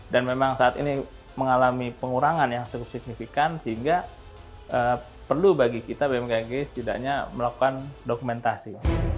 dan memang saat ini mengalami pengurangan yang signifikan sehingga perlu bagi kita bmkg setidaknya melakukan dokumentasi